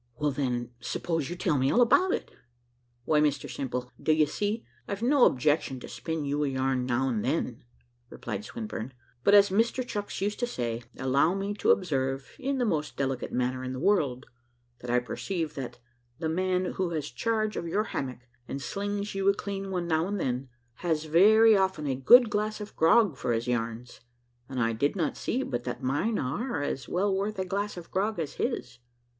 "Well, then suppose you tell me all about it." "Why, Mr Simple, d'ye see, I've no objection to spin you a yarn now and then," replied Swinburne; "but as Mr Chucks used to say, allow me to observe, in the most delicate manner in the world, that I perceive that the man who has charge of your hammock, and slings you a clean one now and then, has very often a good glass of grog for his yarns, and I do not see but that mine are as well worth a glass of grog as his."